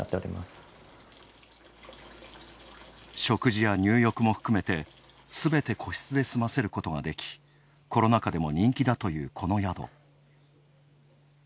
食事や入浴も含めて、すべて個室で済ませることができ、コロナ禍でも人気だという、この宿。